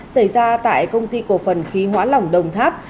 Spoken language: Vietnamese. xảy ra tại công ty cổ phần khí hóa lỏng đồng tháp